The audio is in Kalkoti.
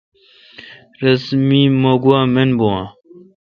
رس می مہ گوا من بھو اؘ۔